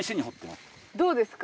どうですか？